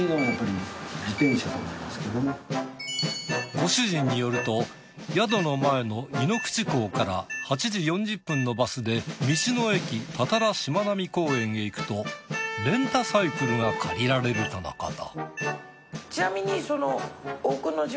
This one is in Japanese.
ご主人によると宿の前の井口港から８時４０分のバスで道の駅多々羅しまなみ公園へ行くとレンタサイクルが借りられるとのこと。